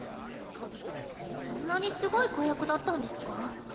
そんなにすごい子役だったんですか？